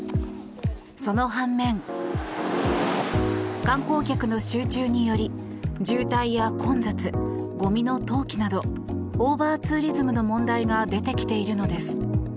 その半面、観光客の集中により渋滞や混雑ゴミの投棄などオーバーツーリズムの問題が出てきているのです。